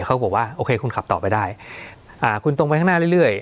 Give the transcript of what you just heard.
เขาบอกว่าโอเคคุณขับต่อไปได้คุณตรงไปข้างหน้าเรื่อย